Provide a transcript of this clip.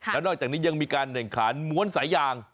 แล้วนอกจากนี้ยังมีการแข่งขันม้วนสายยาง